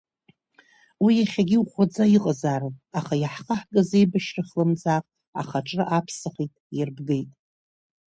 Уи иахьагьы иӷәӷәаӡа иҟазаарын, аха иаҳхаагаз аибашьра хлымӡаах ахаҿра аԥсахит, иарбгеит.